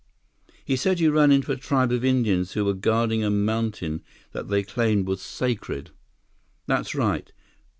"He said you ran into a tribe of Indians who were guarding a mountain that they claimed was sacred." "That's right.